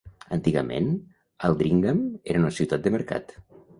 Antigament Aldringham era una ciutat de mercat.